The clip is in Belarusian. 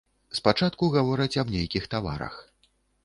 Спачатку гавораць аб нейкіх таварах.